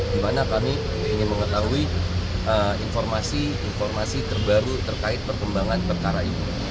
di mana kami ingin mengetahui informasi informasi terbaru terkait perkembangan perkara ini